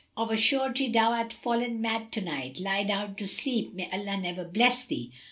Of a surety thou art fallen mad to night! Lie down to sleep, may Allah never bless thee!